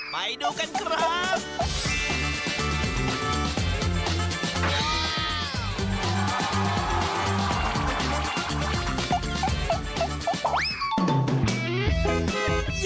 ไปดูกันครับ